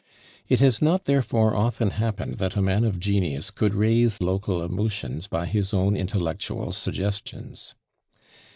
It has not therefore often happened that a man of genius could raise local emotions by his own intellectual suggestions.